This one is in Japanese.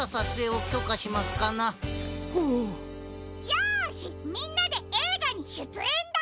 よしみんなでえいがにしゅつえんだ！